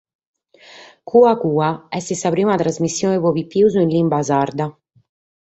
Cua cua est sa prima trasmissione pro pipios in limba sarda.